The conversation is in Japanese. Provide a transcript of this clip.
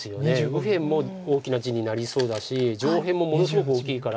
右辺も大きな地になりそうだし上辺もものすごく大きいから。